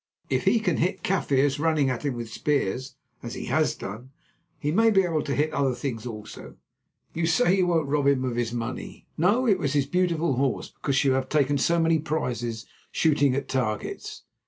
If he can hit Kaffirs running at him with spears, as he has done, he may be able to hit other things also. You say that you won't rob him of his money—no, it was his beautiful horse—because you have taken so many prizes shooting at targets.